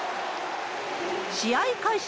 試合開始